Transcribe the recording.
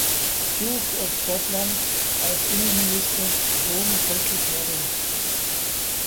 Duke of Portland als Innenminister "(Home Secretary)".